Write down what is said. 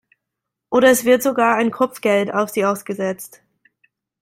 Oder es wird sogar ein Kopfgeld auf sie ausgesetzt.